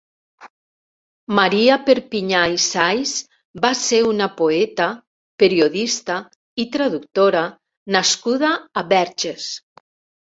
Maria Perpinyà i Sais va ser una poeta, periodista i traductora nascuda a Verges.